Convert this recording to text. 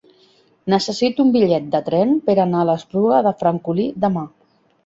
Necessito un bitllet de tren per anar a l'Espluga de Francolí demà.